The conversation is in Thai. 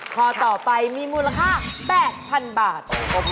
ข้อต่อไปมีมูลค่า๘๐๐๐บาท